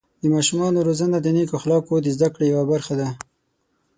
د ماشومانو روزنه د نیکو اخلاقو د زده کړې یوه برخه ده.